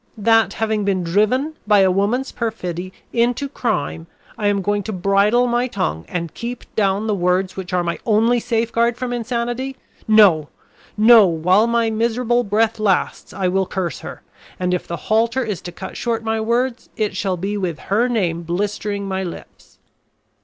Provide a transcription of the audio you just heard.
That having been driven by a woman's perfidy into crime I am going to bridle my tongue and keep down the words which are my only safeguard from insanity? No, no; while my miserable breath lasts I will curse her, and if the halter is to cut short my words, it shall be with her name blistering my lips."